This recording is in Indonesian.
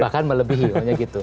bahkan melebihi maksudnya gitu